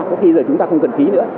có khi giờ chúng ta không cần ký nữa